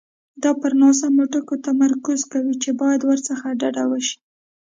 دا پر ناسمو ټکو تمرکز کوي چې باید ورڅخه ډډه وشي.